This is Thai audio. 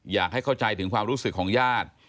อยากให้เข้าใจถึงความรู้สึกของญาติ